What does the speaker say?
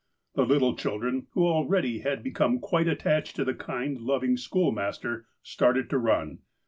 The little children, who al ready had become quite attached to the kind, loving schoolmaster, started to run.